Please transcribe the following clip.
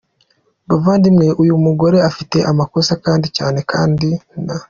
Bavandimwe ,uyu umugore Afite amakosa Kandi Cyane, Kandi n.